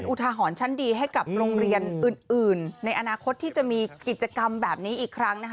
อุทหรณ์ชั้นดีให้กับโรงเรียนอื่นในอนาคตที่จะมีกิจกรรมแบบนี้อีกครั้ง